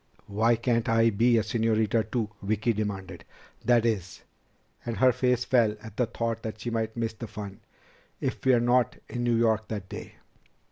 "Why can't I be a señorita too?" Vicki demanded. "That is" and her face fell at the thought that she might miss the fun "if we're not in New York that day."